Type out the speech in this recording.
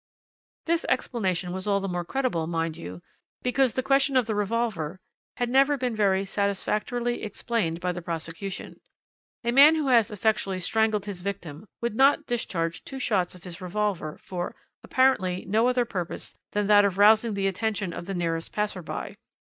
"This explanation was all the more credible, mind you, because the question of the revolver had never been very satisfactorily explained by the prosecution. A man who has effectually strangled his victim would not discharge two shots of his revolver for, apparently, no other purpose than that of rousing the attention of the nearest passer by.